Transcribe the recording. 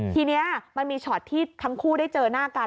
ทีนี้มันมีช็อตที่ทั้งคู่ได้เจอหน้ากัน